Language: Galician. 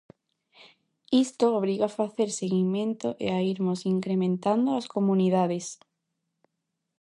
Isto obriga a facer seguimento e a irmos incrementando as comunidades.